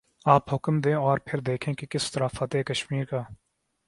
آپ حکم دیں اور پھر دیکھیں کہ کس طرح فاتح کشمیر کا